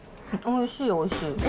おいしい、おいしい。